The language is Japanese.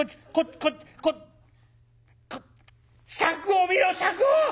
こっちこ尺を見ろ尺を！